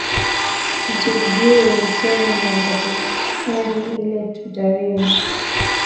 Atu jue tena ni wakati kani ile tuta rima